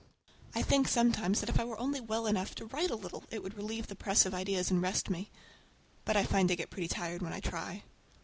I think sometimes that if I were only well enough to write a little it would relieve the press of ideas and rest me. But I find I get pretty tired when I try.